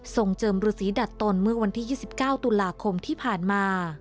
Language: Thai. เจิมฤษีดัดตนเมื่อวันที่๒๙ตุลาคมที่ผ่านมา